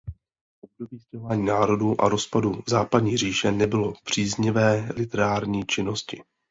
Období „stěhování národů“ a rozpadu západní říše nebylo příznivé literární činnosti.